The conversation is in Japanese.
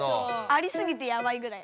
ありすぎてやばいぐらい。